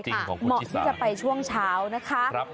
จริงของคุณธิษฎานะครับเหมาะที่จะไปช่วงเช้านะคะ